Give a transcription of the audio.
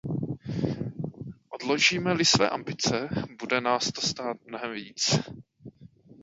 Odložíme-li své ambice, bude nás to stát mnohem víc.